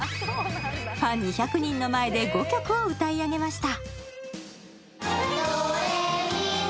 ファン２００人の前で５曲を歌い上げました。